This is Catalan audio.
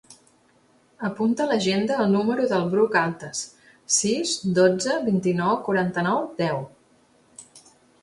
Apunta a l'agenda el número del Bruc Altes: sis, dotze, vint-i-nou, quaranta-nou, deu.